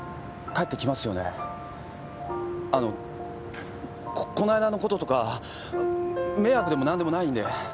あのこの間のこととか迷惑でも何でもないんで。